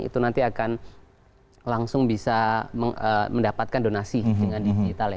itu nanti akan langsung bisa mendapatkan donasi dengan digital ya